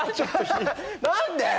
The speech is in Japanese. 何で！？